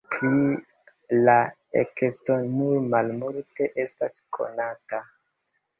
Pri la ekesto nur malmulte estas konata.